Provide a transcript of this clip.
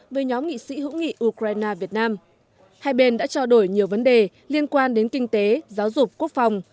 với nhóm nghị sĩ hữu nghị ukraine việt nam hai bên đã trao đổi nhiều vấn đề liên quan đến kinh tế giáo dục quốc phòng